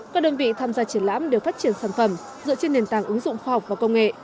các đơn vị tham gia triển lãm đều phát triển sản phẩm dựa trên nền tảng ứng dụng khoa học và công nghệ